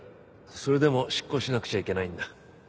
それでも執行しなくちゃいけないんだ。